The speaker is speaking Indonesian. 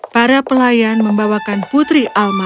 para pelayan membawakan putri alma